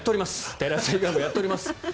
テレビ朝日もやっております